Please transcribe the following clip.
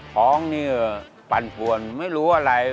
ท้องนี่ปั่นปวนไม่รู้อะไร